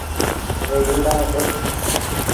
ترے یوڑا دے